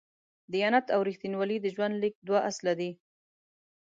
دیانت او رښتینولي د ژوند لیک دوه اصله دي.